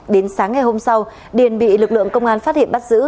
đến sáng ngày hôm sau điền bị lực lượng công an phát hiện bắt giữ